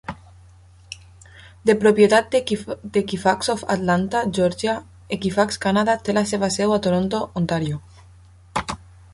De propietat d"Equifax of Atlanta, Georgia, Equifax Canada té la seva seu a Toronto, Ontario.